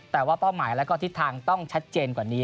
แต่ว่าเป้าหมายแล้วก็ทิศทางต้องชัดเจนกว่านี้